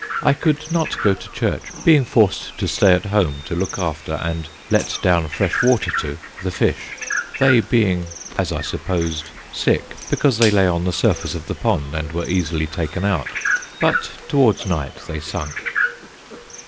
I could not go to Church, being forced to stay at home to look after, and let down fresh water to, the fish; they being as I supposed sick, because they lay on the surface of the pond and were easily taken out. But towards night they sunk."